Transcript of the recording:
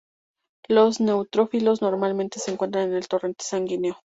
Los neutrófilos normalmente se encuentran en el torrente sanguíneo.